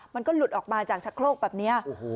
มันก็หลุดออกมาจากชะโครกแบบนี้